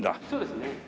そうですね。